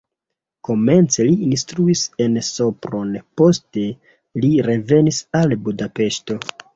Komence li instruis en Sopron, poste li revenis al Budapeŝto.